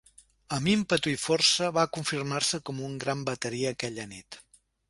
Amb ímpetu i força va confirmar-se com un gran bateria aquella nit.